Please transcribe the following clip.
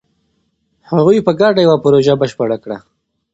هغوی په ګډه یوه پروژه بشپړه کړه.